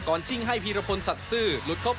ก่อนซิ่งให้พิรพลฉัศสื่อ